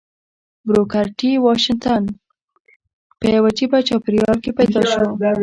بروکر ټي واشنګټن په يوه عجيبه چاپېريال کې پيدا شو.